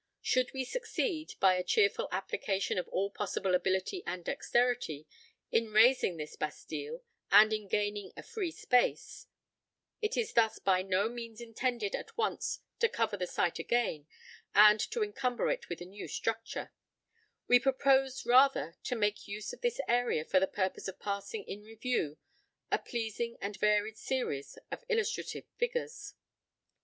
Should we succeed, by a cheerful application of all possible ability and dexterity, in razing this Bastille, and in gaining a free space, it is thus by no means intended at once to cover the site again and to encumber it with a new structure; we propose rather to make use of this area for the purpose of passing in review a pleasing and varied series of illustrative figures.